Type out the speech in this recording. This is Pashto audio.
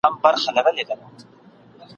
او د مفاهیمو هغه عمق چي !.